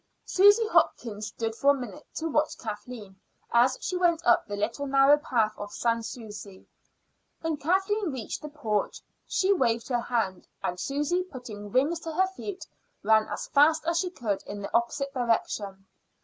Susy Hopkins stood for a minute to watch Kathleen as she went up the little narrow path of Sans Souci. When Kathleen reached the porch she waved her hand, and Susy, putting wings to her feet, ran as fast as she could in the opposite direction.